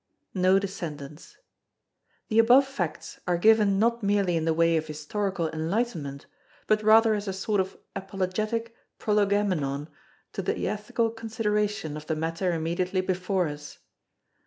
NO DESCENDANTS The above facts are given not merely in the way of historical enlightenment but rather as a sort of apologetic prolegomenon to the ethical consideration of the matter immediately before us.